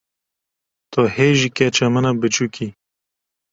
Tu hê jî keça min a biçûk î.